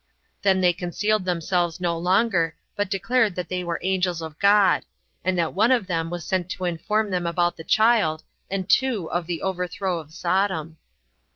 Then they concealed themselves no longer, but declared that they were angels of God; and that one of them was sent to inform them about the child, and two of the overthrow of Sodom.